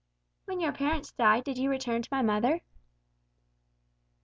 "When your parents died, did you return to my mother?"